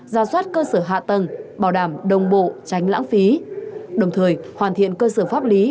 ra soát cơ sở hạ tầng bảo đảm đồng bộ tránh lãng phí đồng thời hoàn thiện cơ sở pháp lý